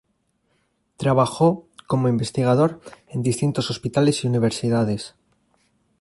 Trabajó, como investigador, en distintos hospitales y universidades.